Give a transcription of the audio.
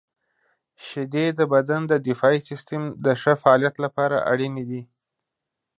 • شیدې د بدن د دفاعي سیستم د ښه فعالیت لپاره اړینې دي.